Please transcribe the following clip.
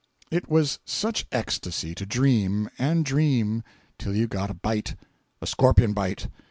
457.jpg (43K) It was such ecstacy to dream, and dream—till you got a bite. A scorpion bite.